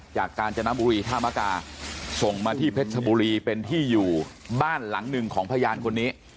กาญจนบุรีท่ามกาส่งมาที่เพชรชบุรีเป็นที่อยู่บ้านหลังหนึ่งของพยานคนนี้